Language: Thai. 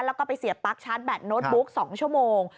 แล้วก็ไปเสียบปั๊กชาร์จแบตโน้ตบุ๊ก๒ชั่วโมง